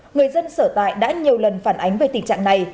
người dân sở tại đã nhiều lần phản ánh về tình trạng này